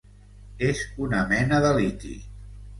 És una mena de liti.